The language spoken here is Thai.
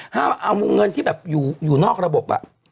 ว่าเอาวงเงินที่แบบอยู่นอกระบบ